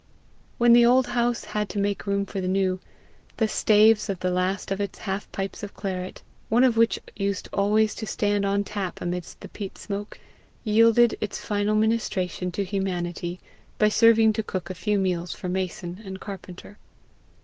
When the old house had to make room for the new, the staves of the last of its half pipes of claret, one of which used always to stand on tap amidst the peat smoke, yielded its final ministration to humanity by serving to cook a few meals for mason and carpenter.